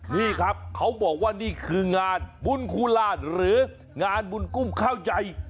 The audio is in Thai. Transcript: นี่ครับเขาบอกว่านี่คืองานบุญคูลานหรืองานบุญกุ้งข้าวใหญ่